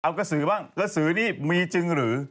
เอากระสือบ้างกระสือนี่มีจริงหรือ